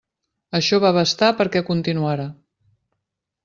Això va bastar perquè continuara.